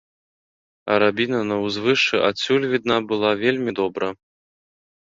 Арабіна на ўзвышшы адсюль відна была вельмі добра.